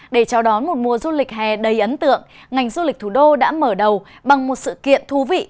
để chào đón một mùa du lịch hè đầy ấn tượng ngành du lịch thủ đô đã mở đầu bằng một sự kiện thú vị